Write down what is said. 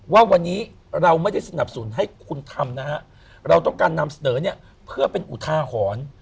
ว่าวันนี้เราไม่ได้สนับสนุนให้คุณทำนะฮะเราต้องการนำเสนอเนี่ยเพื่อเป็นอุทาหรณ์